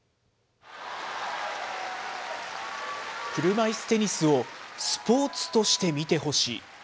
車いすテニスをスポーツとして見てほしい。